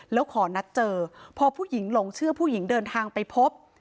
แล้วขอนัดเจอพอผู้หญิงหลงเชื่อผู้หญิงเดินทางไปพบ